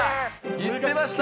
言ってました。